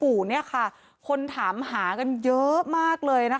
เพราะทนายอันนันชายเดชาบอกว่าจะเป็นการเอาคืนยังไง